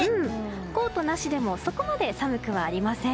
コートなしでもそこまで寒くはありません。